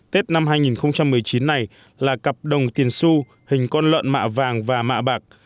tết năm hai nghìn một mươi chín này là cặp đồng tiền su hình con lợn mạ vàng và mạ bạc